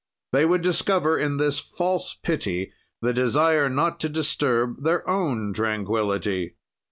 "They would discover in this false pity the desire not to disturb their own tranquility.